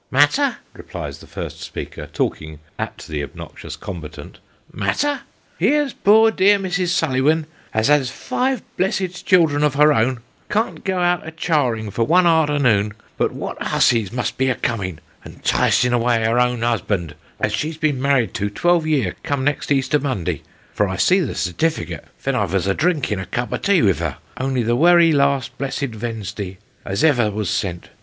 " Matter !" replies the first speaker, talking at the obnoxious com batant, " matter ! Here's poor dear Mrs. Sulliwin, as has five blessed children of her own, can't go out a charing for one arternoon, but what hussies must be a comin', and 'ticing avay her oun' 'usband, as she's been married to twelve year come next Easter Monday, for I see the certificate ven I vas drinkin' a cup o' tea vith her, only the werry last blessed Ven'sday as ever was sent.